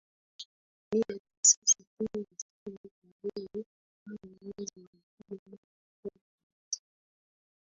mia tisa sitini na sabaTarehe tano mwezi wa pili mwaka elfu moja mia